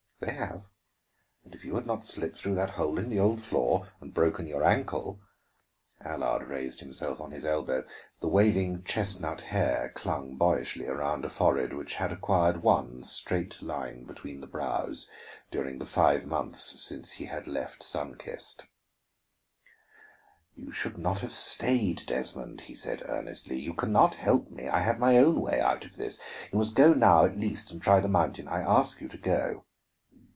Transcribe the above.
"They have. And if you had not slipped through that hole in the old floor and broken your ankle " Allard raised himself on his elbow. Fever lent an artificial brightness to his firm young face and shadowed gray eyes, the waving chestnut hair clung boyishly around a forehead which had acquired one straight line between the brows during the five months since he had left Sun Kist. "You should not have stayed, Desmond," he said earnestly. "You can not help me; I have my own way out of this. You must go now, at least, and try the mountain. I ask you to go."